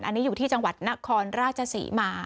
อันนี้อยู่ที่จังหวัดนครราชศรีมา